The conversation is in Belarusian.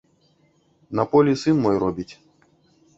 На полі сын мой робіць.